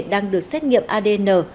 đang được xét nghiệm adn